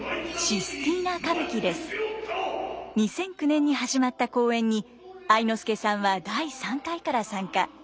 ２００９年に始まった公演に愛之助さんは第３回から参加。